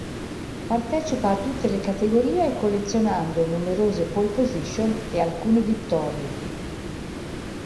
Partecipa a tutte le categorie collezionando numerose pole position e alcune vittorie.